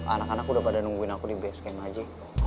anak anak udah pada nungguin aku di base camp aja